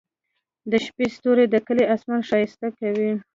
د شپې ستوري د کلي اسمان ښايسته کوي.